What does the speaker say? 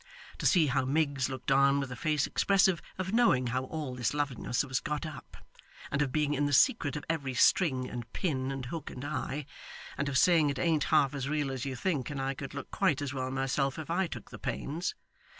To see how Miggs looked on with a face expressive of knowing how all this loveliness was got up, and of being in the secret of every string and pin and hook and eye, and of saying it ain't half as real as you think, and I could look quite as well myself if I took the pains!